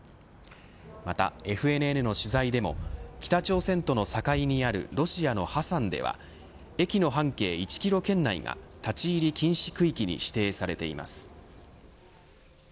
また、ＦＮＮの取材でも北朝鮮との境にあるロシアのハサンでは駅の半径１キロ圏内が立ち入り禁止区域に指定されています。